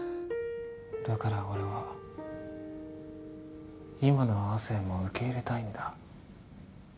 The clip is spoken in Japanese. だから俺は今の亜生も受け入れたいんだ。